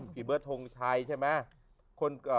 กี่เบื้อทมชัยใช่ไหม